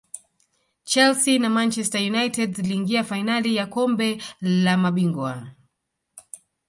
chelsea na manchester united ziliingia fainali ya kombe la mabingwa